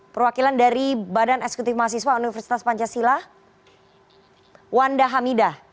perwakilan dari badan eksekutif mahasiswa universitas pancasila wanda hamidah